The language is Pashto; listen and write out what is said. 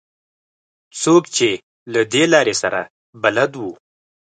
څوک چې له دې لارې سره بلد وو.